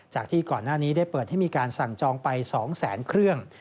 ที่ก่อนหน้านี้ได้เปิดให้มีการสั่งจองไป๒แสนเครื่อง